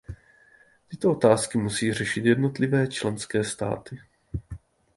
Tyto otázky musí řešit jednotlivé členské státy.